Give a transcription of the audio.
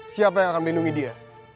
siapa yang akan melindungi dia